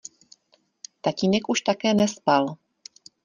Tatínek už také nespal.